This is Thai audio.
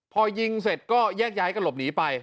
พอยิงเสร็จก็แยกย้ายกันหลบหนีไป